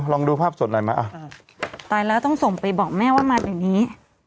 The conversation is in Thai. ลองดูภาพสดหน่อยไหมอ่ะตายแล้วต้องส่งไปบอกแม่ว่ามาเดี๋ยวนี้